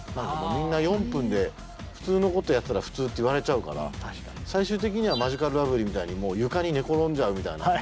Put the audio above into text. みんな４分で普通のことをやってたら普通って言われちゃうから最終的にはマヂカルラブリーみたいにもう床に寝転んじゃうみたいな。